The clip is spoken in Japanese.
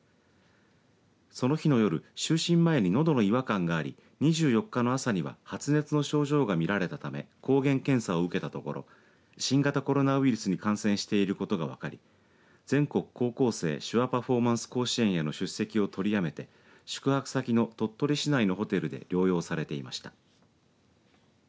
その日の夜就寝前にのどの違和感があり２４日の朝には発熱の症状が見られたため抗原検査を受けたところ新型コロナウイルスに感染していることが分かり全国高校生手話パフォーマンス甲子園への出席を取りやめて宿泊先の鳥取市内のホテルで療養されていました。